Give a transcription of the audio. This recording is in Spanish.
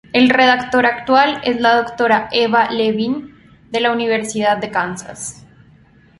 El redactor actual es la doctora Eva Levin, de la Universidad de Kansas.